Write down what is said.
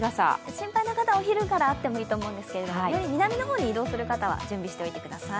心配な方はお昼からあってもいいと思うんですけど、南の方に移動する方は準備しておいてください。